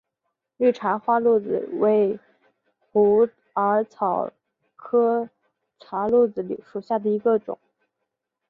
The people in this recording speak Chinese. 绿花茶藨子为虎耳草科茶藨子属下的一个种。